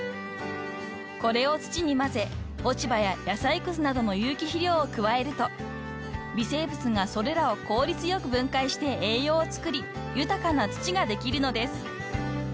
［これを土に混ぜ落ち葉や野菜くずなどの有機肥料を加えると微生物がそれらを効率よく分解して栄養を作り豊かな土ができるのです］